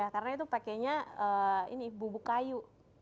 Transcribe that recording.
karena itu pakainya bubuk kayu